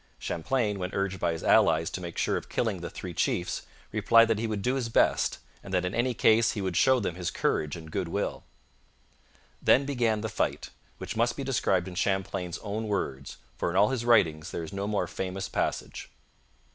Champlain, when urged by his allies to make sure of killing the three chiefs, replied that he would do his best, and that in any case he would show them his courage and goodwill. Then began the fight, which must be described in Champlain's own words, for in all his writings there is no more famous passage.